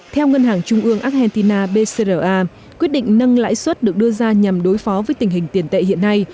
theo ngân hàng trung ương argentina bcra quyết định nâng lãi suất được đưa ra nhằm đối phó với tình hình tiền tệ hiện nay